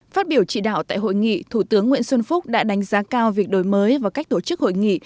phát biểu trị đạo tại hội nghị thủ tướng nguyễn xuân phúc đã đánh giá cao việc đổi mới và cách tổ chức hội nghị